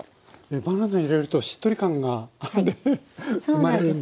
バナナ入れるとしっとり感が生まれるんですか？